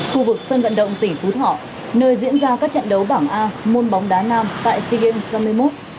khu vực sân vận động tỉnh phú thọ nơi diễn ra các trận đấu bảng a môn bóng đá nam tại sea games năm mươi một